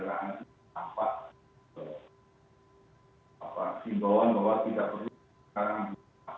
kita nanti tampak simbolan bahwa tidak perlu sekarang